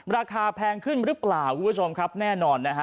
ราคาแพงขึ้นหรือเปล่าคุณผู้ชมครับแน่นอนนะฮะ